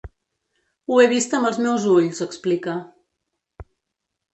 Ho he vist amb els meus ulls, explica.